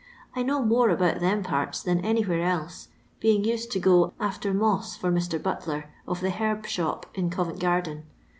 I know more about them pnrts than anywhere else, being used to go after moss for Mr. Butler, of the herb shop in Covent GKirden.